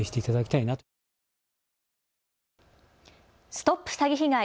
ＳＴＯＰ詐欺被害！